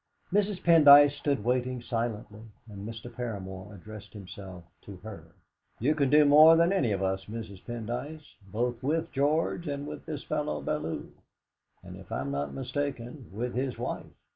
Mrs. Pendyce stood waiting silently, and Mr. Paramor addressed himself to her. "You can do more than any of us, Mrs. Pendyce, both with George and with this man Bellew and, if I am not mistaken, with his wife."